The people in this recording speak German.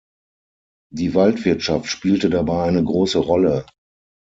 Die Waldwirtschaft spielte dabei eine große Rolle.